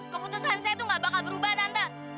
keputusan saya tuh gak bakal berubah tante